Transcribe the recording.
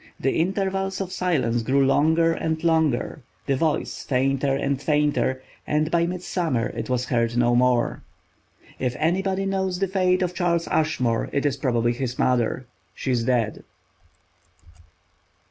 The intervals of silence grew longer and longer, the voice fainter and farther, and by midsummer it was heard no more. If anybody knows the fate of Charles Ashmore it is probably his mother. She is dead.